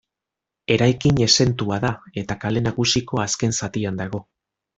Eraikin exentua da eta Kale Nagusiko azken zatian dago.